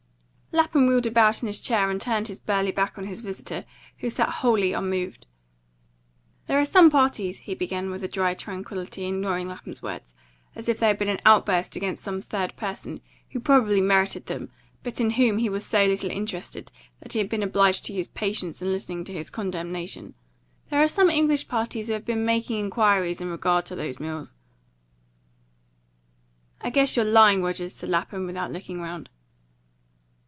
Lapham wheeled about in his chair and turned his burly back on his visitor, who sat wholly unmoved. "There are some parties," he began, with a dry tranquillity ignoring Lapham's words, as if they had been an outburst against some third person, who probably merited them, but in whom he was so little interested that he had been obliged to use patience in listening to his condemnation, "there are some English parties who have been making inquiries in regard to those mills." "I guess you're lying, Rogers," said Lapham, without looking round.